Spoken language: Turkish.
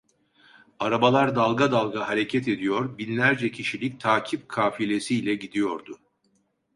Arabalar dalga dalga hareket ediyor, binlerce kişilik takip kafilesiyle gidiyordu.